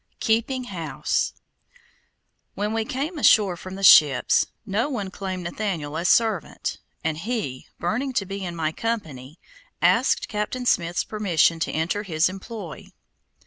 KEEPING HOUSE When we came ashore from the ships, no one claimed Nathaniel as servant, and he, burning to be in my company, asked Captain Smith's permission to enter his employ.